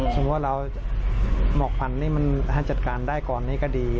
สงสัยว่าเราหักผัญญี่มันทันจัดการได้ก่อนนี่ก็ดี